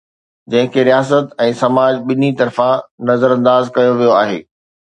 جنهن کي رياست ۽ سماج ٻنهي طرفان نظرانداز ڪيو ويو آهي.